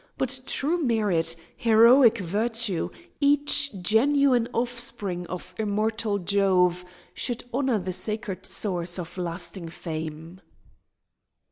But true merit, heroic virtue, each genuine offspring of immortal Jove, should honour the sacred source of lasting fame.